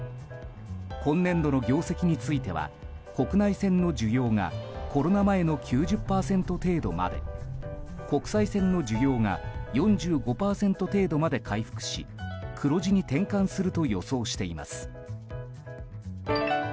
今年度の業績については国内線の需要がコロナ前の９０％程度まで国際線の需要が４５％程度まで回復し黒字に転換すると予想しています。